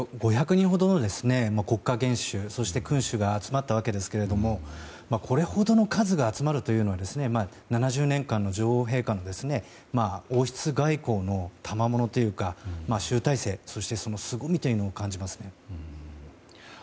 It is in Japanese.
５００人ほどの国家元首そして、君主が集まったわけですけれどもこれほどの数が集まるというのは７０年間の女王陛下の王室外交のたまものというか集大成、そしてそのすごみを感じますね。